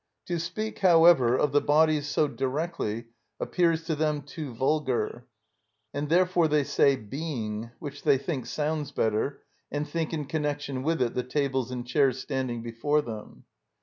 To speak, however, of the bodies so directly appears to them too vulgar; and therefore they say "being," which they think sounds better, and think in connection with it the tables and chairs standing before them.